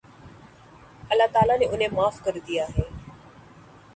اللہ تعالیٰ نے انھیں معاف کر دیا